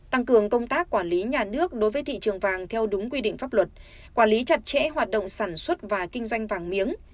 tăng cường công tác quản lý nhà nước đối với thị trường vàng theo đúng quy định pháp luật quản lý chặt chẽ hoạt động sản xuất và kinh doanh vàng miếng